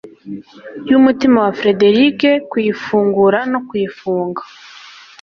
y'umutima wa Frederick kuyifungura no kuyifunga